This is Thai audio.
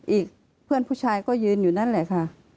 อีกเพื่อนผู้ชายก็ยืนอยู่นั่นแหละค่ะ